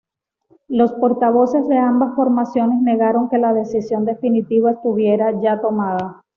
Los portavoces de ambas formaciones negaron que la decisión definitiva estuviera ya tomada.